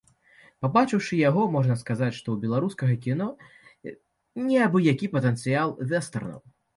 Пабачыўшы яго, можна сказаць, што ў беларускага кіно не абы-які патэнцыял вэстэрнаў.